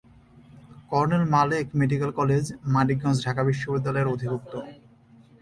Colonel Malek medical college, Manikganj Dhaka বিশ্ববিদ্যালয়ের অধিভুক্ত।